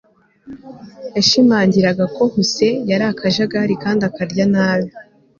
Yashimangira ko Huse yari akajagari kandi akarya nabi